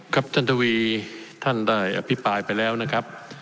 ครับท่านทวีท่านได้อภิปรายไปแล้วนะครับ